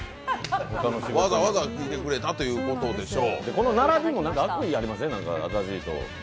わざわざ来てくれたということでしょう。